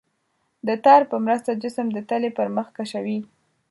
د تار په مرسته جسم د تلې پر مخ کشوي.